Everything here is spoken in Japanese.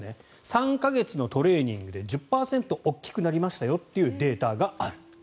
３か月のトレーニングで１０％大きくなりましたよというデータがある。